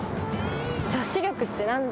女子力って何だよ。